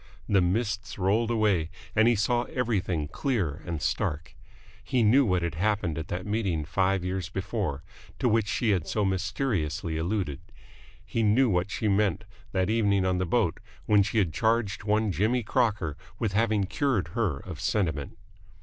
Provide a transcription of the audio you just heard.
The mists rolled away and he saw everything clear and stark. He knew what had happened at that meeting five years before, to which she had so mysteriously alluded. He knew what she had meant that evening on the boat, when she had charged one Jimmy Crocker with having cured her of sentiment.